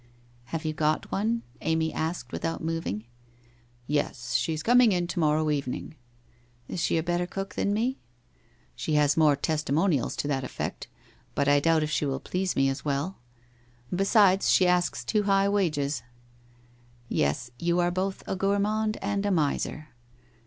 'Have you got one?' Amy asked, without moving. ' Yes. She comes in to morrow evening.' ' Is she a better cook than me ?' 1 She has more testimonials to that effect. But I doubt if she will please me as w r ell? Besides, she asks too high wages.' * Yes, you are both a gourmand and a miser.'